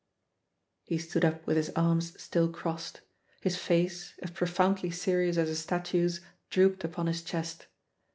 He stood up with his arms still crossed. His face, as profoundly serious as a statue's, drooped upon his chest.